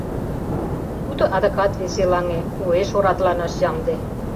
Тудо адакат веселаҥе, уэш орадыланаш ямде.